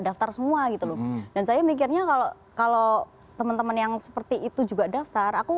dan saya mikirnya kalau teman teman yang seperti itu juga daftar